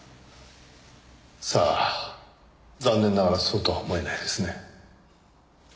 さあ残念ながらそうとは思えないですね。